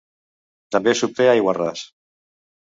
També s'obté aiguarràs.